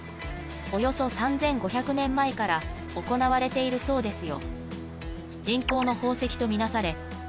およそ３，５００年前から行われているそうですよ